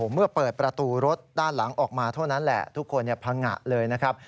เมื่อเปิดประตูรถด้านหลังออกมาเท่านั้นแหละทุกคนพังงะเลยนะครับ